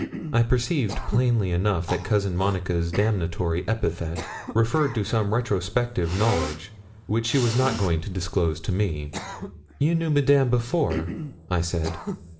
I perceived plainly enough that Cousin Monica's damnatory epithet referred to some retrospective knowledge, which she was not going to disclose to me. 'You knew Madame before,' I said.